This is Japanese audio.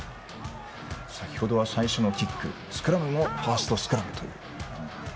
先程は、最初のキックスクラムもファーストスクラムと。